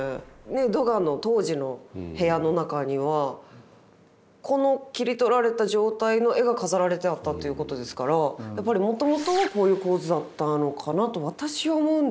ドガの当時の部屋の中にはこの切り取られた状態の絵が飾られてあったっていうことですからやっぱりもともとがこういう構図だったのかなと私は思うんですけど五郎さん